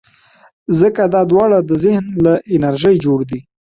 ځکه دا دواړه د ذهن له انرژۍ جوړ دي.